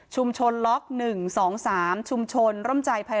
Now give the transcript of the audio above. ชุมชนแฟลต๑๒๓มีประชากร๘๓๒๕คนพบเชื้อ๘คน